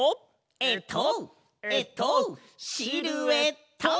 えっとえっとシルエット！